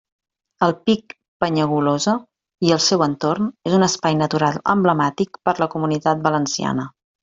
El pic Penyagolosa i el seu entorn és un espai natural emblemàtic per a la Comunitat Valenciana.